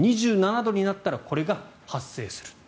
２７度になったらこれが発生する。